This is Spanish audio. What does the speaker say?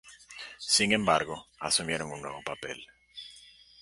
Sin embargo, asumieron un nuevo papel.